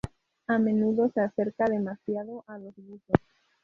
A menudo se acerca demasiado a los buzos.